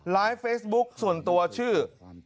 ไลฟ์เฟซบุ๊คส่วนตัวชื่อ